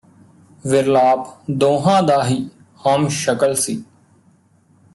ਵਿਰਲਾਪ ਦੋਹਾਂ ਦਾ ਹੀ ਹਮਸ਼ਕਲ ਸੀ